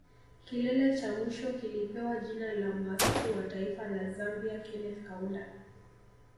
Kilele cha mwisho kilipewa jina la Muasisi wa Taifa la Zambia Kenneth Kaunda